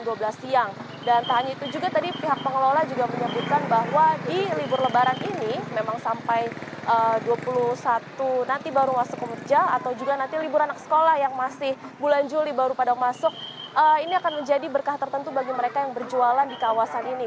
dan tak hanya itu juga tadi pihak pengelola juga menyebutkan bahwa di libur lebaran ini memang sampai dua puluh satu nanti baru masuk ke kerja atau juga nanti libur anak sekolah yang masih bulan juli baru pada masuk ini akan menjadi berkah tertentu bagi mereka yang berjualan di kawasan ini